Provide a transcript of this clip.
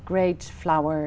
và ở đó